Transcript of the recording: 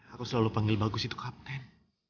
aku selalu panggil bagus itu kapten